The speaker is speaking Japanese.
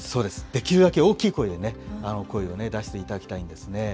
できるだけ大きい声でね、声を出していただきたいんですね。